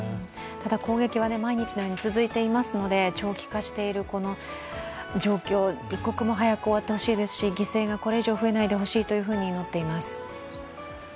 ただ、攻撃は毎日のように続いていますので、長期化しているこの状況一刻も早く終わってほしいですし、犠牲がこれ以上、増えないでほしいと祈っています。